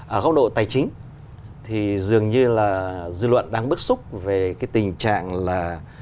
ở góc độ tài chính thì dường như là dư luận đang bức xúc về cái tình trạng là